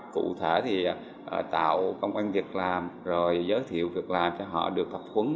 cụ thể thì tạo công an việc làm rồi giới thiệu việc làm cho họ được thập huấn